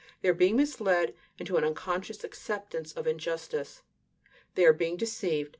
They are being misled into an unconscious acceptance of injustice. They are being deceived.